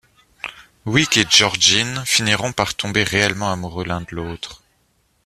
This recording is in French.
Wick et Georgine finiront par tomber réellement amoureux l'un de l'autre.